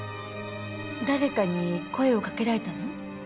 誰かに声をかけられたの？